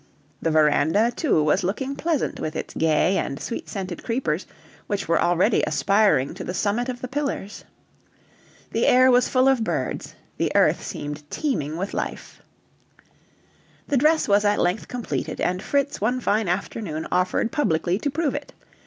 The veranda, too, was looking pleasant with its gay and sweet scented creepers, which were already aspiring to the summit of the pillars. The air was full of birds, the earth seemed teeming with life. The dress was at length completed, and Fritz one fine afternoon offered publicly to prove it.